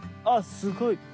あっすごい。